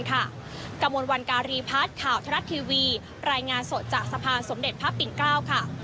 กระมวลวันการีพัฒน์ข่าวทรัฐทีวีรายงานสดจากสะพานสมเด็จพระปิ่นเกล้าค่ะ